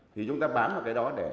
thì chúng ta bán vào cái đó để